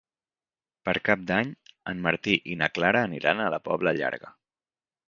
Per Cap d'Any en Martí i na Clara aniran a la Pobla Llarga.